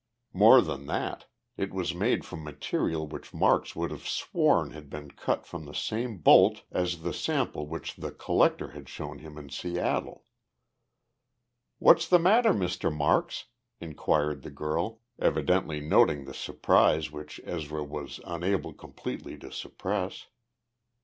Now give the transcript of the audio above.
More than that, it was made from material which Marks would have sworn had been cut from the same bolt as the sample which the Collector had shown him in Seattle! "What's the matter, Mr. Marks?" inquired the girl, evidently noting the surprise which Ezra was unable completely to suppress.